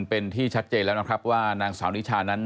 เป็นที่ชัดเจนแล้วนะครับว่านางสาวนิชานั้น